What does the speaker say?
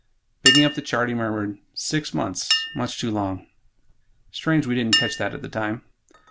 Picking up the chart, he murmured, "Six months ... much too long. Strange we didn't catch that at the time."